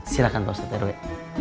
silahkan pak ustadz eroi